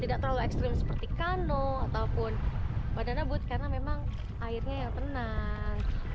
tidak terlalu ekstrim seperti kano ataupun badana but karena memang airnya yang tenang